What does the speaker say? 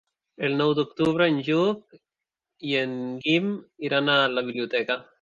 El nou d'octubre en Lluc i en Guim iran a la biblioteca.